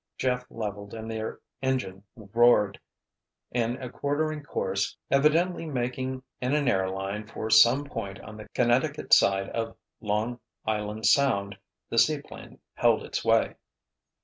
Jeff leveled and their engine roared. In a quartering course, evidently making in an airline for some point on the Connecticut side of Long Island Sound, the seaplane held its way.